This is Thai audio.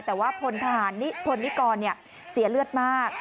แต่ว่าพลทหารนิพลนิกรเสียเลือดมาก